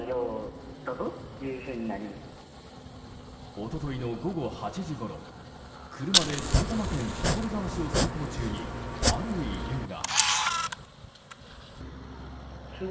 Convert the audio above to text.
一昨日の午後８時ごろ車で埼玉県所沢市を走行中にある異変が。